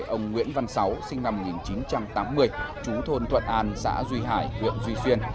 ông nguyễn văn sáu sinh năm một nghìn chín trăm tám mươi chú thôn thuận an xã duy hải huyện duy xuyên